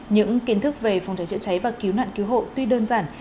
những kiến thức về phòng cháy chữa cháy và cứu nạn cứu hộ tuy đơn giản